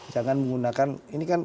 jangan menggunakan ini kan